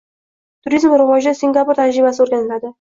Turizm rivojida Singapur tajribasi oʻrganiladi